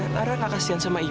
lara gak puas lagi